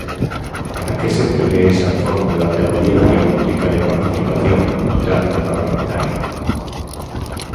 ¿Para que se prevé esa fórmula de audiencia pública de participación no trámite parlamentario?